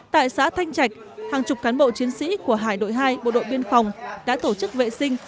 tại xã thanh trạch hàng chục cán bộ chiến sĩ của hải đội hai bộ đội biên phòng đã tổ chức vệ sinh